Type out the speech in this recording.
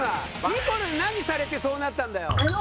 ニコルに何されてそうなったんだよ？